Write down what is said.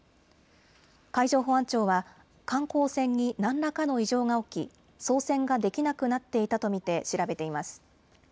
海上保安庁は観光船に何らかの異常が起き操船ができなくなっていたと見て調べています。